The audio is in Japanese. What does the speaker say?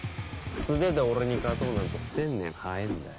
素手で俺に勝とうなんて１０００年早えぇんだよ。